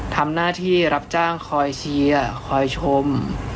ทำหน้าที่รับจ้างคอยเชียร์คอยชม